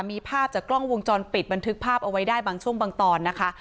มีภาพจากกล้องวงจรปิดบันทึกภาพเอาไว้ได้บางช่วงบางตอนนะคะ